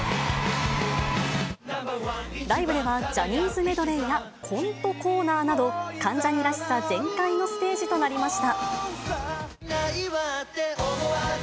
ライブではジャニーズメドレーやコントコーナーなど、関ジャニらしさ全開のステージとなりました。